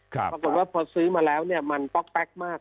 ปรากฏว่าพอซื้อมาแล้วเนี่ยมันป๊อกแก๊กมาก